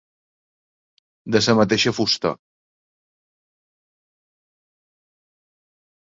De la mateixa fusta.